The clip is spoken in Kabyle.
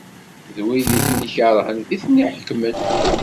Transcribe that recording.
D wid i ten-ikeṛhen i ten-iḥekmen.